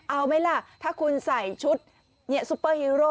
เอาไหมล่ะถ้าคุณใส่ชุดซุปเปอร์ฮีโร่